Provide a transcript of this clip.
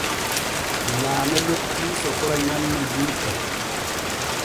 Laame loppii sokora nyanne julɗe.